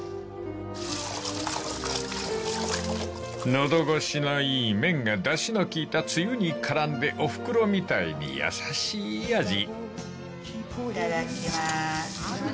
［喉越しのいい麺がだしの利いたつゆに絡んでおふくろみたいに優しい味］